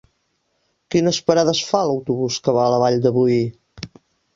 Quines parades fa l'autobús que va a la Vall de Boí?